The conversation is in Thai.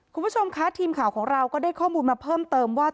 คุณผู้ชมคะทีมข่าวของเราก็ได้ข้อมูลมาเพิ่มเติมว่า